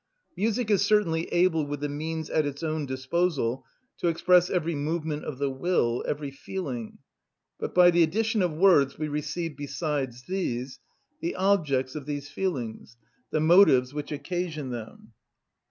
Music is certainly able with the means at its own disposal to express every movement of the will, every feeling; but by the addition of words we receive besides this the objects of these feelings, the motives which occasion them.